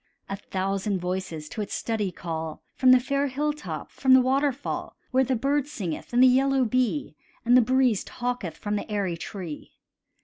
A thousand voices to its study call, From the fair hilltop, from the waterfall, Where the bird singeth, and the yellow bee, And the breeze talketh from the airy tree.